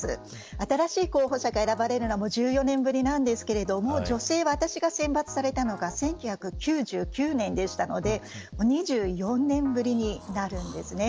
新しい候補者が選ばれるのは１４年ぶりなんですけど私が選抜されたのは１９９９年でしたので２４年ぶりになるんです。